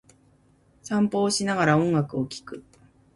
散歩をしながら、音楽を聴く。